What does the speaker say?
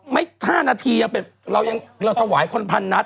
ไม่๕นาทียังเป็นเราถวายคนพันนัดอ่ะ